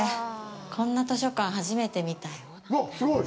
こんな図書館、初めて見た。